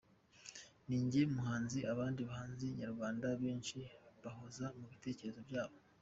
Ninjye muhanzi abandi bahanzi nyarwanda benshi bahoza mu bitekerezo byabo.